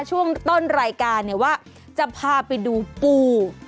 ช่วงต้นรายการเนี่ยว่าจะพาไปดูปู